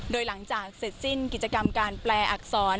โดยหลังจากเสร็จสิ้นกิจกรรมการแปลอักษร